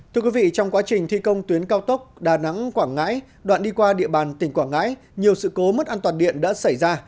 thưa quý vị trong quá trình thi công tuyến cao tốc đà nẵng quảng ngãi đoạn đi qua địa bàn tỉnh quảng ngãi nhiều sự cố mất an toàn điện đã xảy ra